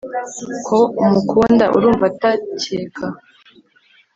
ko umukunda urumva atakeka